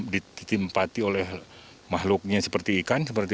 ditimpati oleh makhluknya seperti ikan